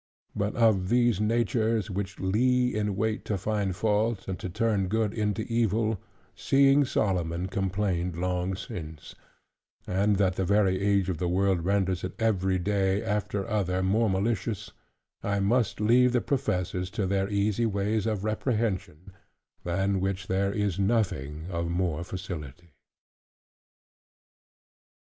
But of these natures which lee in wait to find fault, and to turn good into evil, seeing Solomon complained long since: and that the very age of the world renders it every day after other more malicious; I must leave the professors to their easy ways of reprehension, than which there is nothing of more facility.